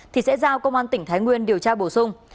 thì sẽ giao công an tỉnh thái nguyên điều tra bổ sung